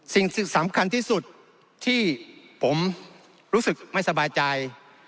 สิ่งสำคัญที่สุดที่ผมรู้สึกไม่สบายใจ